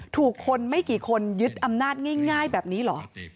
ถูกคนไม่กี่คนยึดอำนาจง่ายแบบนี้เหรอ